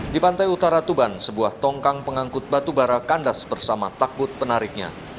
di pantai utara tuban sebuah tongkang pengangkut batu bara kandas bersama takbut penariknya